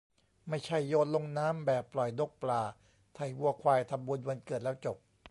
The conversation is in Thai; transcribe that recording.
ไม่ใช่โยนลงน้ำแบบปล่อยนกปลาไถ่วัวควายทำบุญวันเกิดแล้วจบ